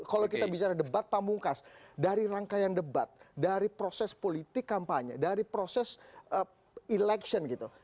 kalau kita bicara debat pamungkas dari rangkaian debat dari proses politik kampanye dari proses election gitu